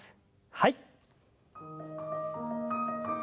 はい。